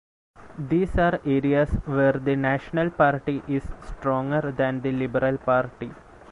These are areas where the National Party is stronger than the Liberal Party.